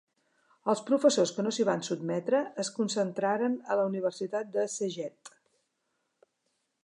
Els professors que no s'hi van sotmetre es concentraren a la Universitat de Szeged.